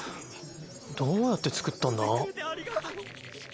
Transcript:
どうやって作ったんだ？